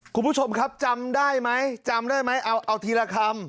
คุณผู้ชมครับจำได้ไหมจำได้ไหมเอาทีละคำ